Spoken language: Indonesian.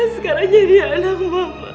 sekarang jadi anak mama